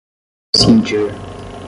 cindir